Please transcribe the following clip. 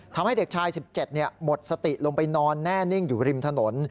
ทำให้เด็กชาย๑๗หมดสติลงไปนอนแน่นิ่งอยู่ริมถนน